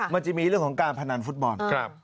มันจะมีเรื่องของการพนันฟุตบอล